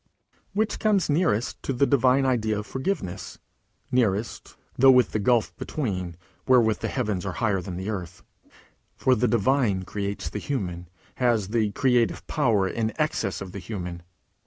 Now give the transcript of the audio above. Which comes nearest to the divine idea of forgiveness? nearest, though with the gulf between, wherewith the heavens are higher than the earth? For the Divine creates the Human, has the creative power in excess of the Human.